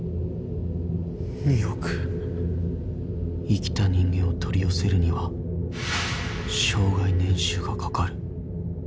［生きた人間を取り寄せるには生涯年収がかかる］